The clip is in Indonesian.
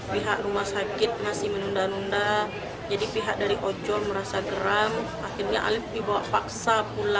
pihak rumah sakit masih menunda nunda jadi pihak dari ojol merasa geram akhirnya alif dibawa paksa pula